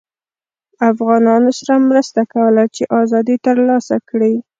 افغانانوسره مرسته کوله چې ازادي ترلاسه کړي